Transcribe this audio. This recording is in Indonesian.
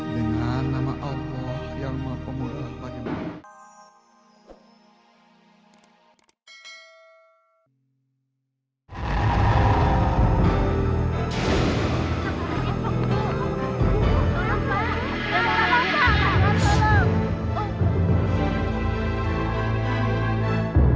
dengan nama allah yang maafmu lah bagaimana